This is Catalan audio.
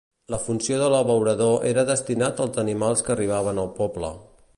La funció de l'abeurador era destinat als animals que arribaven al poble.